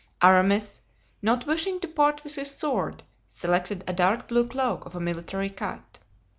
Aramis, not wishing to part with his sword, selected a dark blue cloak of a military cut.